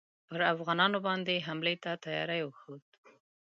پر افغانانو باندي حملې ته تیاری وښود.